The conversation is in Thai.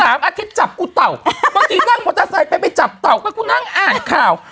อาทิตย์จับกูเต่าบางทีนั่งมอเตอร์ไซค์ไปไปจับเต่าก็กูนั่งอ่านข่าว